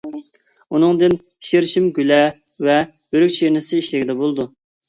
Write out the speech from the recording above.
ئۇنىڭدىن شىرشىم گۈلە ۋە ئۆرۈك شىرنىسى ئىشلىگىلى بولىدۇ.